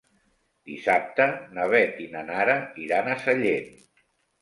Dissabte na Beth i na Nara iran a Sallent.